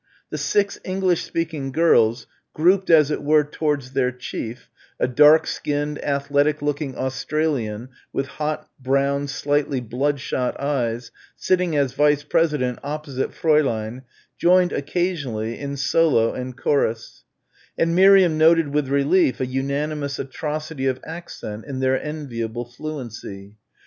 The six English speaking girls, grouped as it were towards their chief, a dark skinned, athletic looking Australian with hot, brown, slightly blood shot eyes sitting as vice president opposite Fräulein, joined occasionally, in solo and chorus, and Miriam noted with relief a unanimous atrocity of accent in their enviable fluency.